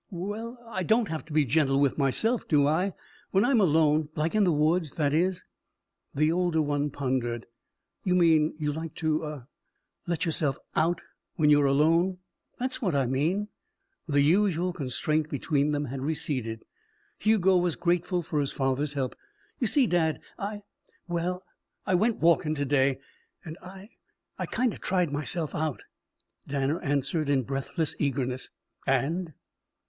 "Well I don't have to be gentle with myself, do I? When I'm alone like in the woods, that is?" The older one pondered. "You mean you like to ah let yourself out when you're alone?" "That's what I mean." The usual constraint between them had receded. Hugo was grateful for his father's help. "You see, dad, I well I went walkin' to day and I I kind of tried myself out." Danner answered in breathless eagerness: "And?"